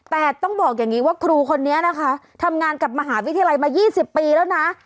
แต่ต้องบอกอย่างนี้ว่าครูคนนี้นะคะทำงานกับมหาวิทยาลัยมา๒๐ปีแล้วนะ